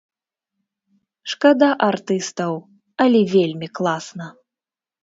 Шкада артыстаў, але вельмі класна!